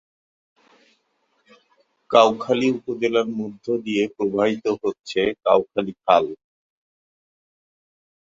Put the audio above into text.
কাউখালী উপজেলার মধ্য দিয়ে প্রবাহিত হচ্ছে কাউখালী খাল।